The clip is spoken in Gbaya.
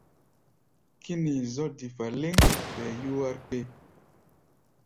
Kínii zɔ̧́ difa lɛ́ŋ, ɓɛɛ yúwár kpé.